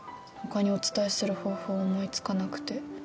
「他にお伝えする方法を思いつかなくて」